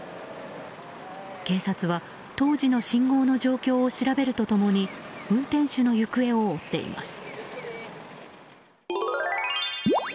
警察は、当時の信号の状況を調べると共に運転手の行方を追っています。